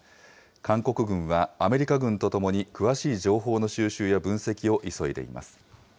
韓国軍はアメリカ軍とともに詳しい情報の収集や分析を急いでいます。